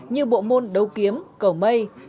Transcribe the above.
như bộ môn đấu kiếm cầu mây